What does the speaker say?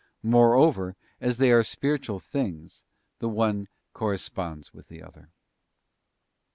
Moreover, as they are spiritual things, the one cor responds with the other.